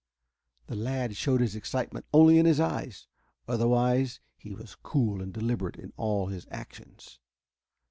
The lad showed his excitement only in his eyes. Otherwise he was cool and deliberate in all his actions.